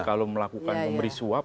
kalau melakukan memberi suap